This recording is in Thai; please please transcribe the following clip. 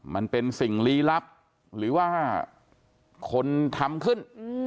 มันเป็นสิ่งลี้ลับหรือว่าคนทำขึ้น